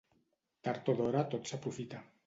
Tard o d'hora tot s'aprofita.